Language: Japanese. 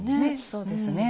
そうですね。